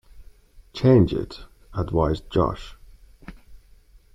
"Change it," advised Josh.